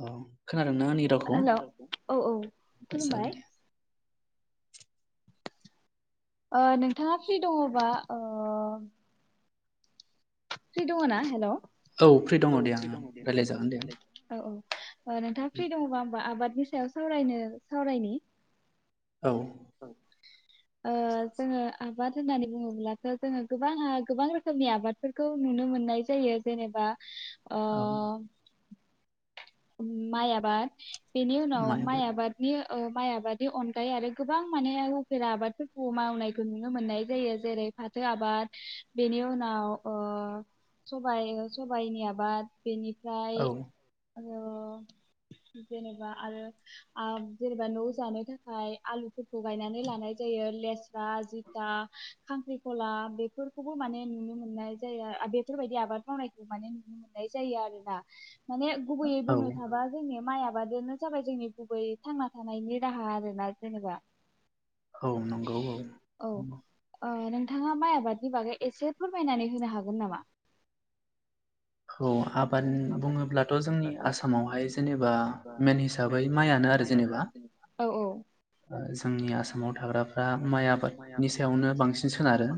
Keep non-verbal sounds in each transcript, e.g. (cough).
औ खोनादोंना आंनि रावखौ जागोन दे नोंथाङा फ्रि दङबा फ्रि दङ ना हेलौ औ दङ औ औ नोंथाङा फ्रि दङबा होमबा आबाद बि सायाव सावरायनो सावरायनि औ। जोङो आबाद होननानै बुङोब्लाथ' जोङो गोबां गोबां रोखोमनि आबादफोरखौ नुनो मोननाय जायो जेनेबा औ। माय आबाद बेनि उनाव माइ आबादनि माइ आबादनि अनगायै आरो गोबां माने हफेरा आबादफोरखौ मावनायखौ नुनो मोननाय जायो जेरै फाथो आबाद बेनि उनाव ओ सबाय सबायाइनि आबाद बेनिफ्राय ओ जेनेबा आरो जेनेबा न' जानो थाखाय आलुफोरखौ गायनानै लानाय जायो लेस्रा जिथा खांख्रिखला बेफोरखौबो माने नुनो मोननाय जायो बेफोरबायदि आबाद मावनायखौ माने नुनो मोननाय जायो आरोना माने गुबैयै बुंनो थाबा जोंनि माइआ माबादानो जाबाय जोंनि गुबै थांना थानायनि राहा आरोना जेनेबा। औ नंगौ औ। थाङा माइ आबादनि बागै एसे फोरमायनानै होनो हागोन नामा? औ आबाद बुङोब्लाथ' जोंनि आसामावहाय जेनेबा मेन हिसाबै माइयनो आरो जेनेबा जोंनि आसामाव थाग्राफ्रा माइ आबादनि सायावनो बांसिन सोनारो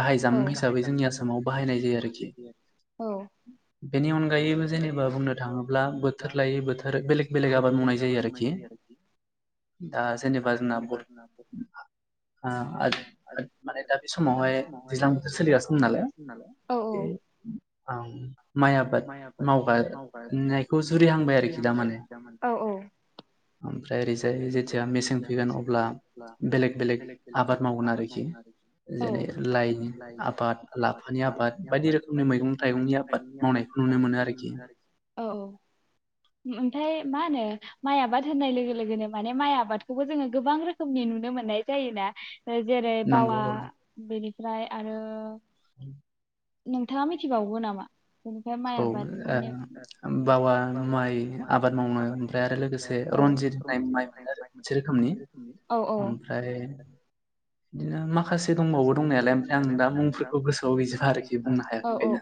गाहाय जामुं हिसाबै जोंनि आसामाव बाहायनाय जायो आरोखि। देन नि अनगायैबो जेनेबा बुंनो थाङोब्ला बोथोर लायै बोथोर बेलेग बेलेग आबाद मावनाय जायो आरोखि दा जेनेबा जोंना बद ओ ओद-ओद माने दा बे समावहाय दैज्लां बोथोर सोलिगासिनो दङ नालाय बे ओ माइ आबाद मावगानायखौ जुरिहांबाय आरोखि दा माने ओमफ्राय ओरैजाय जेथिया मेसें फैगोन अब्ला बेलेग - बेलेग आबाद मावगोन आरोखि जेरै लाइनि आबाद लाफानि आबाद बायदि रोखोमनि मैगं थाइगंनि आबाद। मावनायखौ नुनो मोनो आरोखि औ - औ ओमफाय मा होनो माइ आबाद होननाय लोगो लोगोनो माने माइ आबादखौबो जोङो गोबां रोखोमनि नुनो मोननाय जायोना। जेरै बावा बेनि ओमफ्राय आरो (unintelligible) नोंथाङा मिथिबावगो नामा? औ ओ बावा माइ आबाद मावनो ओमफ्राय आरो लोगोसे रनजित होननाय माइ मोनो आरो मोनसे रोखोमनि ओमफ्राय बिदिनो मा माखासे दंबावो दंनायालाय ओमफ्राय आं दा मुंफोरखौ गोसोआव गैजोबा आरोखि बुंनो हाया बेखायनो।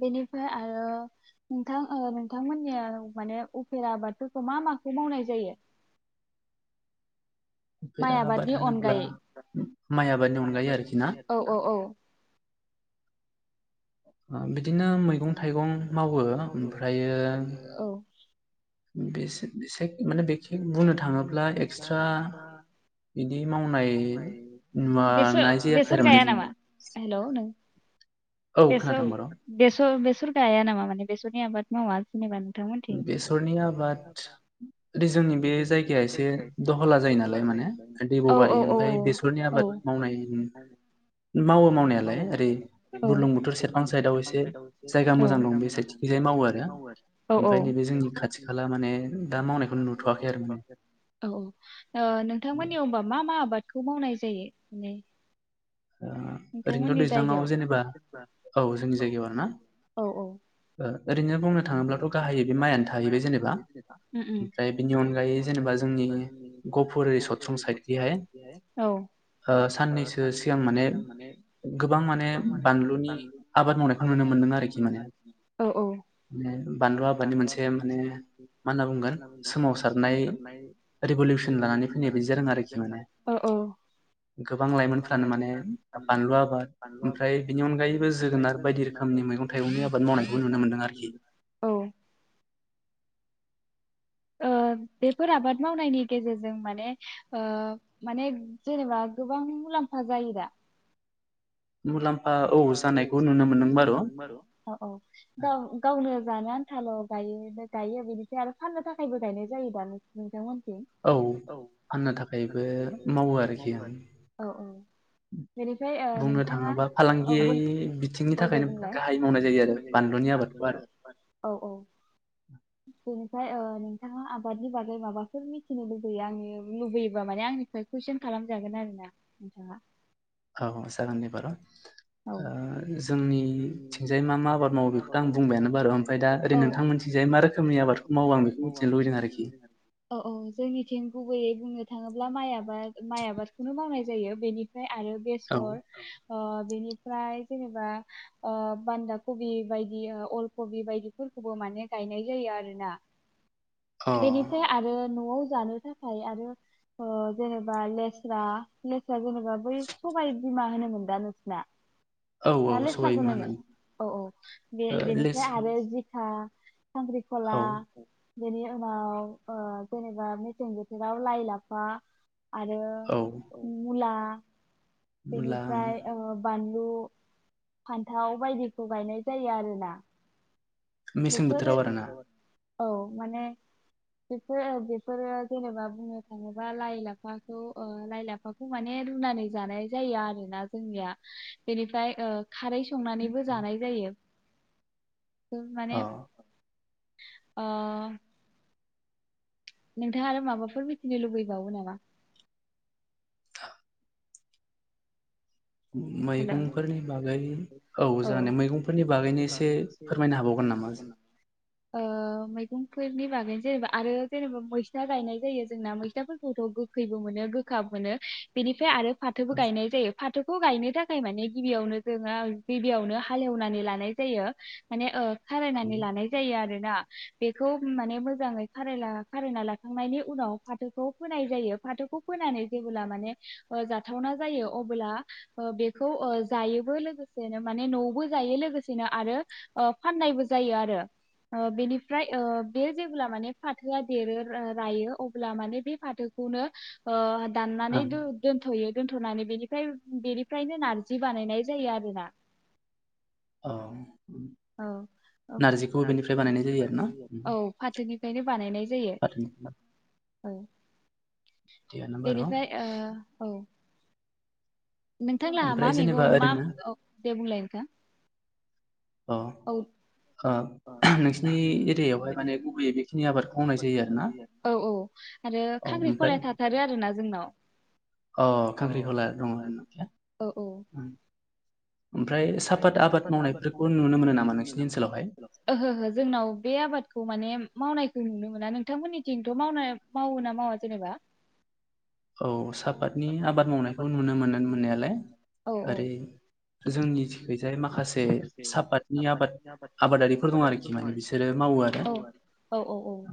बेनिफ्राय आरो नोंथां ओ नोंथांमोननिया माने उफेरा आबादफोरखौ मा माखौ मावनाय जायो? उफेरा आबाद होनोब्ला माइ आबादनि अनगायै आरोखि ना? आ बे बिदिनो मैगं थाइगं मावो ओमफ्रायो बेसेन (unintelligible) बेसौ बेस' बेसे बेफोर गाया नामा माने बेसरनि आबाद मावा जेनेबा नों? बेसरनि आबाद दै जोंनि बे जायगाया एसे दहला जायो नालाय माने दैेब'बारि ओमफाय बेसरनि आबाद मावनाय मावो मावनायालाय ओरै बुरलुंबुथुर सेरफां साइदआव एसे जायगा मोजां दं बे सायेदखैजाय मावो आरो। ओमफ्राय नैबे जोंनि खाथि खाला माने दा मावनायखौ नु औ औ ओ नोंथांमोननियाव ओमबा मा मा? आबादखौ मावनाय जायो माने नोंथांमोननि जायगायाव औ औ उम उम बेनि अनगायै जेनेबा जोंनि गपुरि सत्रां साइटखिहाय साननैसो सिगां माने गोबां माने बानलुनि आबाद मावनायखौ नुनो मोनदों आरोखि माने माने बानलु आबादनि मोनसे माने मा होनना बुंगोन सोमावसा सारनाय रिभुलिसन लानानै फैनाय बदि जादों आरोखि माने गोबां लाइमोनफो तान माने बानलु आबाद ओमफ्राय बिनि अनगायैबो जोगोनार बायदि रोखोमनि मैगं थाइगंनि आबाद मावनायखौ नुनो मोनदों आरोखि। ओ बेफोर आबाद मावनायनि गेजेरजों माने ओ माने जेनेबा गोबां मुलाम्फा जायो दा? गाव गावनो जानो आन्थाल' गायो गायो बिनिफ्राय आरो फाननो थाखायबो गायनाय जायो दा (unintelligible) औ फाननो थाखायबो मावो आरोखि ओं बुंनो थाङोबा फालांगि औ औ दे बुंलाय औ औ बेनि ओमफ्राय ओ नोंथाङा आबादनि बागै माबाफोर मिथिनो लुबैयो आंनि लुबैयोबा माने आंनिफ्राय कुइसन खालामजागोन आरो ना नोंथाङा। औ जागोन दे बारु ओ जोंनिथिजाय मा मा आबाद मावो बेखौथ' आं बुंबायानो बारु ओमफ्राय दा ओरै नोंथांमोननिथिंजायै मा रोखोमनि आबादखौ मावो आं बेखौ मिथिनो लुबैदों आरोखि। यै बुंनो थाङोब्ला माइ आबाद माइ आबादखौनो मावनाय जायो बेनिफ्राय आरो बेसर। आ बेनिफ फ्राय जेनेबा ओ बान्दा कबि बायदि अल कबि बायदिफोरखौबो माने गायनाय जायो आरोना। बेनिफ्राय आरो न'आव। जानो थाखाय आरो ओ जेनेबा लेस्रा लेस्रा जेनेबा बै सबाय बिमा होनोमोन दा नोंसिना। ना लेस्राखौनो औ औ बे बेनिफ्राय आरो जि (unintelligible) खांख्रिखला। बेनि उनाव ओ जेनेबा मेसें बोथोराव लाइ लाफा। आरो मुला। (inaudible) बेनिफ्राय ओ बान बानलु, फान्थाव बायदिखौ गायनाय जायो आरोना। मेसें बोथोराव आरोना। औ माने बेफोर बेफोरो जेनेबा बुंनो थाङोबा लाइ लाफाखौ लाइ लाफाखौ माने रुनानै जानाय जायो आरोना जोंनिया बेनिफ्राय ओ खारै संनानैबो जानाय जायो। माने अ। नोंथाङा आरो माबाफोर मिथिनो लुबैबावो नामा। (inaudible) मैगंफोरनि बागै औ जानाय मैगंफोरनि बागैनो एसे फोरमायनो हाबावगोन नामा। मैगंफोरनि बागैनो जेनेबा आरो जेनेबा मैथा गायनाय जायो जोंना मैथाफोरखौथ' गोखैबो मोनो गोखाबो मोनो बेनिफ्राय आरो। फाथोबो गायनाय जायो। फाथोखौ गायनो थाखाय थाखाय माने गिबियावनो जोङो गिबियावनो हालेवनानै लानाय जायो मानेओ खारायनानै लानाय जायो आरो। (unintelligible) बेखौ माने मोजाङै खारायना खारायना लाखांनायनि उनाव फाथोखौ फोनाय जायो फाथोखौ फोनानै जेबोब्ला माने ओ जाथावना जायो अब्ला बे जायोबो लोगोसेनो माने न'बो जायो लोगोसेनो आरो ओ फाननायबो जायो आरो बेनिफ्राय बे जेब्ला माने फाथोआ देरो रायो अब्ला माने बे फाथोखौनो ओ दाननानै दोन दोनथ'यो दोनथ'नानै बेनिफ्राय बेनि नारजि बानायनाय जायो आरोना औ औ औ नारजिफ्रायानाय औ फाथोनिफ्रायनो बानायनाय जायो औ। बेनिफ्राय ओ औ नोंथांना मा मैगं मा औ दे बुंलाय नोंथां (unintelligible) आरो खांख्रिखलाया थाथारो आरोना जोंनाव औ औ औ (unintelligible) (unintelligible) ओहो जोंनाव बे आबादखौ माने मावनाय जों नुनो मोना नोंथांमोननिथिंथ' मावनाय मावो ना मावा जेनेबा। औ साहापातनि आबाद मावनायखौ नुनो मोननानै मोननायालाय ओरै ओ जोंनि माखासे साहापादनि आबाद आबादारिफोर दं आरोखि माने बिसोरो मावो आरो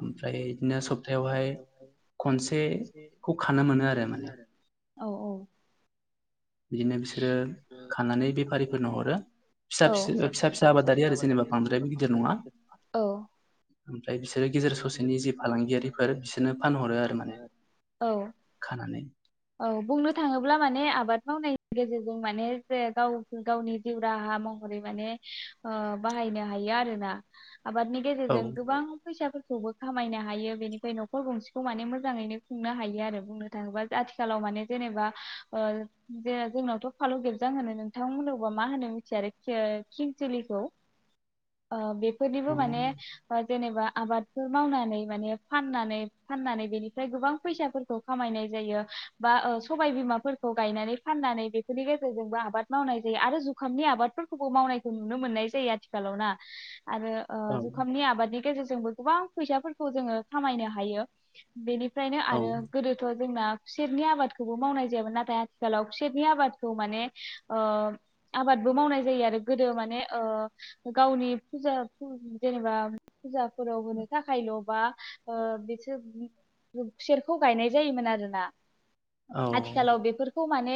ओमफ्राय बिदिनो सप्तायावहाय खनसे (unintelligible) खानो मोनो आरो माने औ औ बिदिनो बिसोरो खानानै (unintelligible) औ (unintelligible) गावनि जिउ राहा महरै माने ओ बाहायनो हायो आरोना आबादनि गेजेरजों गोबां फैसा (unintelligible) खामायनो हायो बेनिफ्राय न'खर गंसेखौ माने मोजाङैनो खुंनो हायो आरो बुंनो थाङोबा आथिखालाव माने जेनेबा ज जोंनावथ' फालु गेबजां होनो (unintelligible) बिथांमोनावबा मा होनो मिथिया आरो किंतुलिखौ ओ (unintelligible) (unintelligible) माने (unintelligible) जेनेबा आबादफोर मावनानै माने फाननानै फाननानै बेनिफ्राय गोबां फैसाफोरखौ खामायनाय जायो बा सबायबिमाफोरखौ गायनानै फाननानै बेफोरनि गेजेरजोंबो आबाद मावनाय जायो आरो जुखामनि आबादफोरखौबो मावनायखौ नुनो मोननाय जायो आथिखालाव ना आरो जुखामनि आबादनि (unintelligible) जों गोबां फैसाफोरखौ जोङो खामायनो हायो बेनि (unintelligible) आरो गोदोथ' जोंना खुसेरनि आबादखौबो मावनाय जायामोन नाथाय आथिखालाव खुसेरनि आबादखौ माने ओ आबादबो मावनाय जायो आरो गोदो माने ओ गावनि फुजा जेनेबा फुजाफोराव होनो थाखायल' बा ओ बिसोर (unintelligible) गायनाय जायोमोन आरोना आथिखालाव बेफोरखौ माने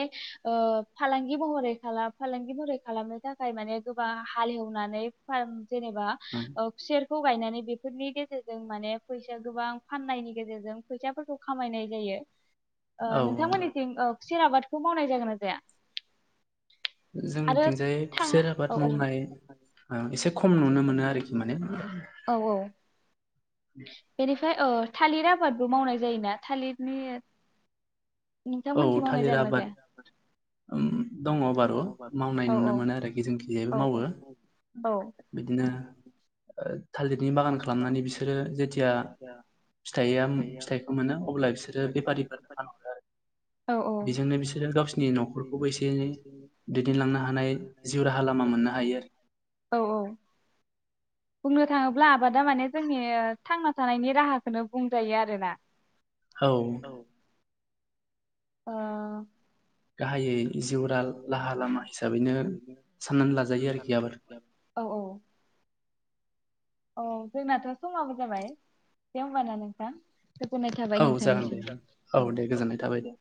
ओ फालां गि महरै, फालांगि महरै खालामनो थाखाय माने गोबां हालेवनानै फार्म जेनेबा खुसेर खौ गायनानै बेफोरनि गेजेरजों माने फैसा गोबां फाननायनि गेजेरजों फैसाफोरखौ खामायनाय जायो। नोंथांमोननिथिं ओ खुसेर आबादखौ मावनाय जागोन ना जाया? जोंनिथिंजाय खुसेर आबाद मावनाय आ एसे खम नुनो मोनो आरोखि माने बेनिफ्राय ओ थालिर आबादबो मावनाय जायोना थालिरनि औ थालिर आबाद ओम दङ आरो मावनाय नुनो मोनो आरोखि जोंनिथिंजायबो मावो। बिदिनो थालिरनि बागान खालामनानै बिसोरो जेथिया फिथाइया फिथाइखौ मोनो अब्ला बिसोरो बेफारिफोरनो फानहरो आरो। बेजोंनो बिसोरो गावसिनि न'खरखौबो एसे एनै दैदेनलांनो हानाय जिउ राहा लामा मोननो हायो आरो। बुंं थांङो ब्ला आबादा माने जोंनि थांना थानायनि राहाखौनो बुंजायो आरोना। औ। अ गाहायै जिउ राहा लामा हिसाबैनो साननानै लाजायो आरोखि आबादखौहाय। औ जोंनाथ' समाबो जाबाय। दे होनबाना नोंथां औ जागोन दे औ दे गोजोननाय थाबाय दे।